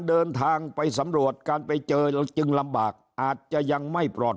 เดินทางไปสำรวจการไปเจอเราจึงลำบากอาจจะยังไม่ปลอด